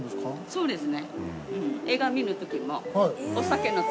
そうです。